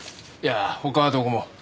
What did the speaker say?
ああ他はどこも。